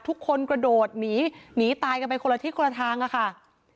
กระโดดหนีหนีตายกันไปคนละทิศคนละทางอะค่ะ